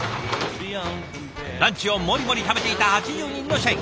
ランチをモリモリ食べていた８０人の社員。